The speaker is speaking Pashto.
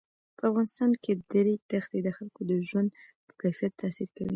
په افغانستان کې د ریګ دښتې د خلکو د ژوند په کیفیت تاثیر کوي.